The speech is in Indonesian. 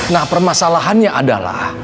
nah permasalahannya adalah